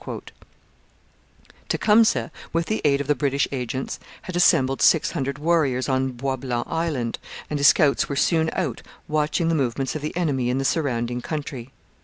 Tecumseh, with the aid of the British agents, had assembled six hundred warriors on Bois Blanc Island, and his scouts were soon out watching the movements of the enemy in the surrounding country.